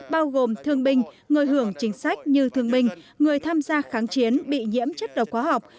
bao gồm thương binh người hưởng chính sách như thương binh người tham gia kháng chiến bị nhiễm chất độc hóa học